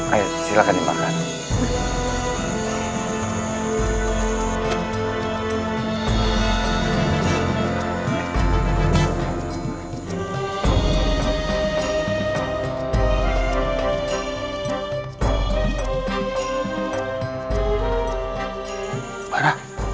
ayo silahkan dimakan